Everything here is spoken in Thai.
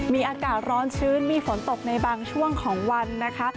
มีอากาศร้อนชื้นมีฝนตกในบางช่วงของวันนะคะ